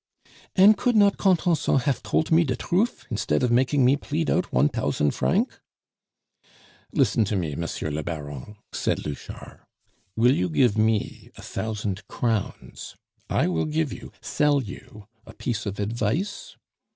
"And could not Contenson haf tolt me de truf, instead of making me pleed out one tousand franc?" "Listen to me, Monsieur le Baron," said Louchard. "Will you give me a thousand crowns? I will give you sell you a piece of advice?"